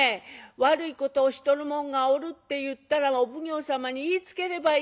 悪いことをしとる者がおるっていったらお奉行様に言いつければいいがや。